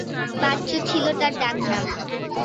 বাচ্চু’ ছিল তার ডাক নাম।